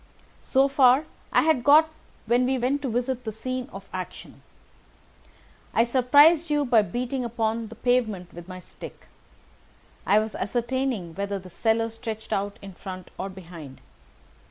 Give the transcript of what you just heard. "So far I had got when we went to visit the scene of action. I surprised you by beating upon the pavement with my stick. I was ascertaining whether the cellar stretched out in front or behind.